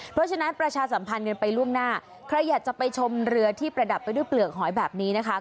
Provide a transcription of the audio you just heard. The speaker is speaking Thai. เพราะฉะนั้นประชาสัมพันธ์กันไปล่วงหน้าใครอยากจะไปชมเรือที่ประดับไปด้วยเปลือกหอยแบบนี้นะคะ